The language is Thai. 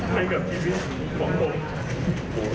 ให้กับชีวิตของตน